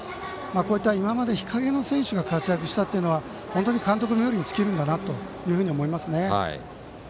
こういった今まで日陰の選手が活躍したというのは本当に監督みょう利に尽きるんだなと思いましたね。